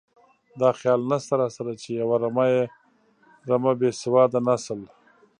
دا خیال نشته راسره چې یوه رمه بې سواده نسل.